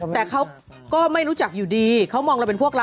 แต่เขาก็ไม่รู้จักอยู่ดีเขามองเราเป็นพวกเรา